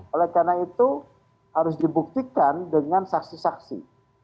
oleh karena itu harus dibuktikan dengan saksi saksi